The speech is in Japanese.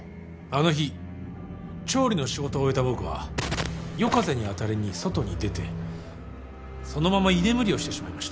あの日調理の仕事を終えた僕は夜風に当たりに外に出てそのまま居眠りをしてしまいました。